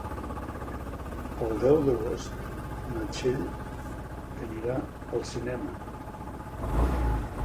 El deu d'agost na Txell anirà al cinema.